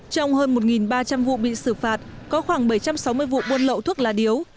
trong hơn một ba trăm linh vụ bị xử phạt có khoảng bảy trăm sáu mươi vụ buôn lậu thuốc lá điếu